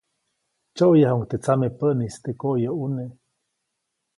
Tsyoʼyäyajuʼuŋ teʼ tsamepäʼnis teʼ koʼyoʼune.